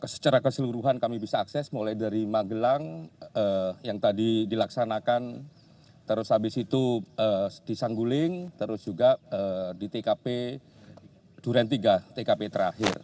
secara keseluruhan kami bisa akses mulai dari magelang yang tadi dilaksanakan terus habis itu di sangguling terus juga di tkp duren tiga tkp terakhir